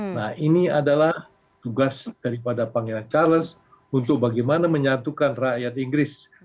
nah ini adalah tugas daripada pangeran charles untuk bagaimana menyatukan rakyat inggris